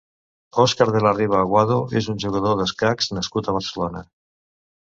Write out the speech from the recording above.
Òscar de la Riva Aguado és un jugador d'escacs nascut a Barcelona.